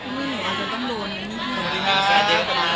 คุณคุณหนุ่มมาก